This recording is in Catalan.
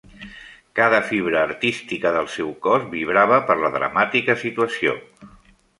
Cada fibra artística del seu cos vibrava per la dramàtica situació.